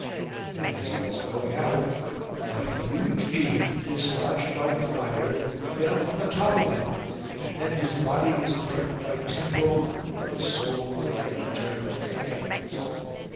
And as he was going out a huge beam, dislodged by the fire, fell on the top of him ; and then his body was burnt by temporal and his soul by eternal flames.